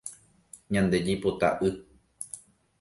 Ñande jaipota y.